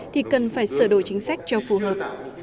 thì cần phải sửa đổi chính sách cho phù hợp